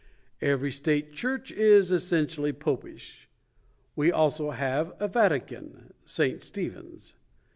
Every state church is essentially popish. We also have a Vatican — St. Stephen's.